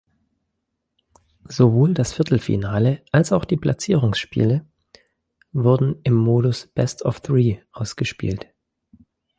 Sowohl das Viertelfinale als auch die Platzierungsspiele wurden im Modus „Best-of-Three“ ausgespielt.